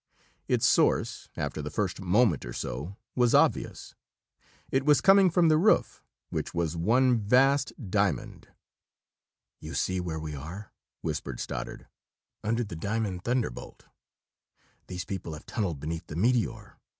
Its source, after the first moment or so, was obvious. It was coming from the roof, which was one vast diamond. "You see where we are?" whispered Stoddard. "Under the Diamond Thunderbolt! These people have tunneled beneath the meteor.